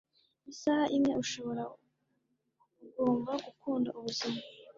Isaha imwe ushobora ugomba gukunda ubuzima